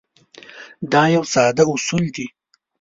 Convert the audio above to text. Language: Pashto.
دا یو ساده اصول دی.